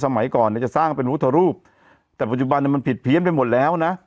สมัยก่อนเนี่ยจะสร้างเป็นพุทธรูปแต่ปัจจุบันมันผิดเพี้ยนไปหมดแล้วนะ